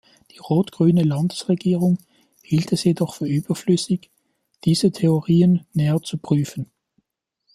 Die rot-grüne Landesregierung hielt es jedoch für überflüssig, diese Theorien näher zu prüfen.